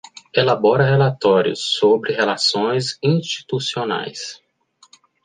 Elabora relatórios sobre relações institucionais.